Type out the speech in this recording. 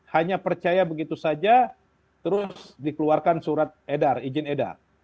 hanya percaya begitu saja terus dikeluarkan surat edar izin edar